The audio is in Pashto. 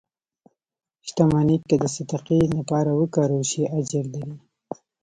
• شتمني که د صدقې لپاره وکارول شي، اجر لري.